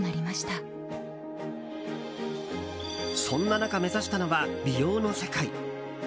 そんな中、目指したのは美容の世界。